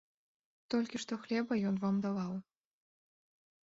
Толькі што хлеба ён вам даваў.